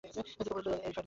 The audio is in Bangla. ওই ফ্যাড গ্যাজেট?